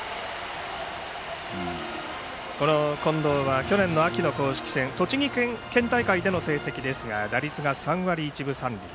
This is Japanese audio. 近藤は去年秋の公式戦栃木県大会での成績ですが打率が３割１分３厘。